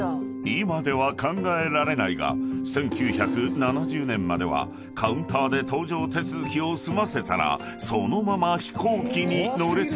今では考えられないが１９７０年まではカウンターで搭乗手続きを済ませたらそのまま飛行機に乗れたのだ］